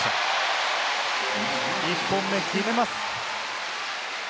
１本目、決めます。